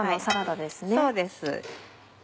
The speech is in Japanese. そうです。